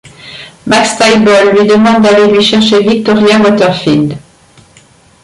Maxtible lui demande d'aller lui chercher Victoria Waterfield.